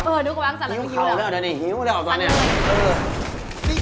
หิวเขาแล้วเลยสักที